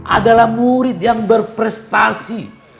adalah murid yang berprestasi